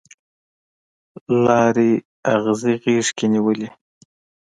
لارې اغزي غیږ کې نیولي